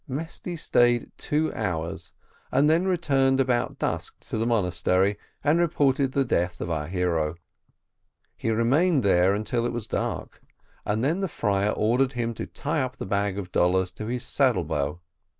Mesty stayed two hours, and then returned about dusk to the monastery, and reported the death of our hero. He remained there until it was dark, and then the friar ordered him to tie the bag of dollars to his saddle bow.